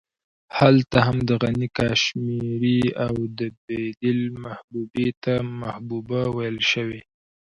هلته هم د غني کاشمېري او د بېدل محبوبې ته محبوبه ويل شوې.